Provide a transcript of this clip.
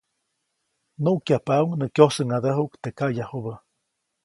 Nuʼkyajpaʼuŋ nä kyosäʼŋadäjuʼk teʼ kaʼyajubä.